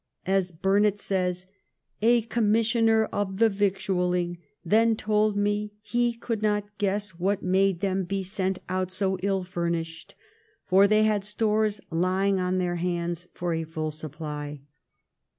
As Burnet says, ' a commissioner of the victualling then told me he could not guess what made them be sent out so ill furnished; for they had stores lying on their hands for a full supply.'